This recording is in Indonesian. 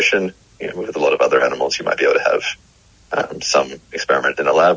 dengan banyak hewan lain kita mungkin bisa memiliki beberapa eksperimen di lab